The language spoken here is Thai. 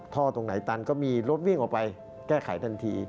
ท่อตรงไหนตันก็มีรถวิ่งออกไปแก้ไขทันที